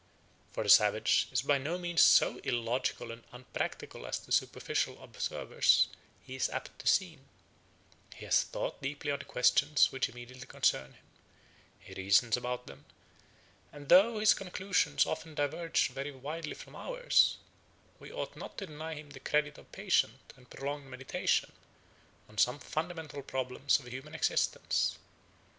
For the savage is by no means so illogical and unpractical as to superficial observers he is apt to seem; he has thought deeply on the questions which immediately concern him, he reasons about them, and though his conclusions often diverge very widely from ours, we ought not to deny him the credit of patient and prolonged meditation on some fundamental problems of human existence.